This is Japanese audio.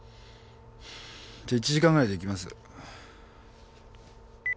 じゃ１時間ぐらいで行きます。